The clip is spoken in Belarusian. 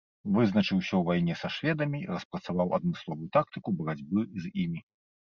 Вызначыўся ў вайне са шведамі, распрацаваў адмысловую тактыку барацьбы з імі.